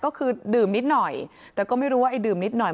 ก็คือดื่มนิดหน่อยแต่ก็ไม่รู้ว่าไอ้ดื่มนิดหน่อย